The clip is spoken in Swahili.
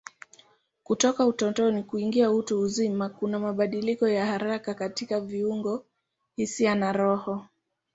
Kutoka utotoni kuingia utu uzima kuna mabadiliko ya haraka katika viungo, hisia na roho.